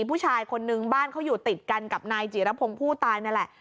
ผู้ชายคนนึงบ้านเขาอยู่ติดกันกับนายจิรพงศ์ผู้ตายนั่นแหละ